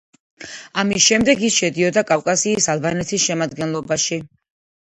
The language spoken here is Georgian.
ამის შემდეგ ის შედიოდა კავკასიის ალბანეთის შემადგენლობაში.